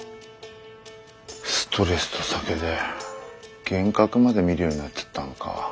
ストレスと酒で幻覚まで見るようになっちゃったのか。